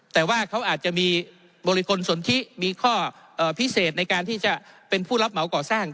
แต่ว่าเขาอาจจะมีบริคลสนทิมีข้อพิเศษในการที่จะเป็นผู้รับเหมาก่อสร้าง